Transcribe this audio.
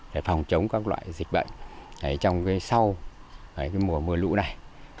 để phòng chống các loại dịch bệnh trong sau mùa mưa lũ này